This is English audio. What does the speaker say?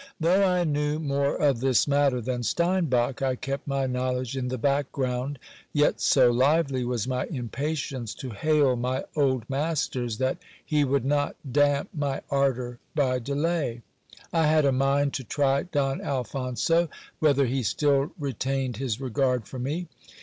Though I knew more of this matter than Steinbach, I kept my knowledge in 'he background. Yet so lively was my impatience to hail my old masters, that iie would not damp my ardour by delay. I had a mind to try Don Alphonso, whether he still retained his regard for me.